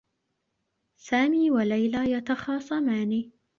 سامي و ليلى يتخاصمان.